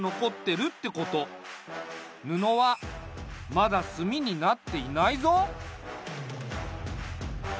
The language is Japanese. ぬのはまだ炭になっていないぞ。